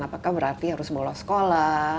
apakah berarti harus bolos sekolah